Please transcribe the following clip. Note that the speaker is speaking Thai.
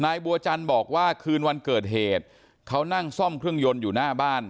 นายบัวจันทร์บอกว่าคืนวันเกิดเหตุเขานั่งซ่อมเครื่องยนต์อยู่หน้าบ้าน